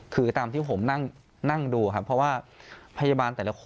คือตามที่ผมนั่งดูครับเพราะว่าพยาบาลแต่ละคน